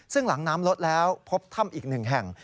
ซึ่งหลังน้ำลดแล้วพบถ้ำอีกหนึ่งแห่ง